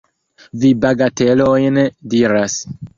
Vi bagatelojn diras.